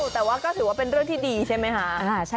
แต่ว่าก็ถือว่าเป็นเรื่องที่ดีใช่ไหมคะ